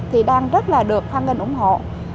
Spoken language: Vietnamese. thì đang rất là được hoan nghênh ủng hộ